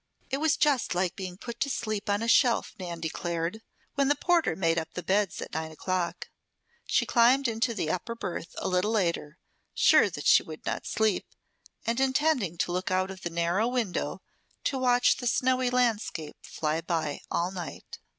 It was just like being put to sleep on a shelf, Nan declared, when the porter made up the beds at nine o'clock. She climbed into the upper berth a little later, sure that she would not sleep, and intending to look out of the narrow window to watch the snowy landscape fly by all night.